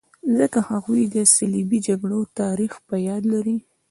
ځکه هغوی د صلیبي جګړو تاریخ په یاد لري.